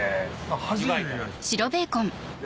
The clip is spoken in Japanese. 初めて見ました。